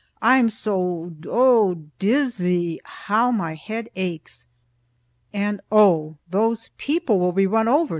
I'm so o diz z zy! How my head aches! And oh! those people will be run over!